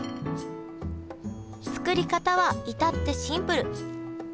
作り方は至ってシンプル！